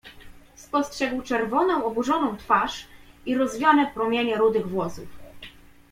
"Spostrzegł czerwoną oburzoną twarz i rozwiane promienie rudych włosów."